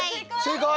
正解？